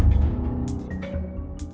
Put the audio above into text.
enggak kok enggak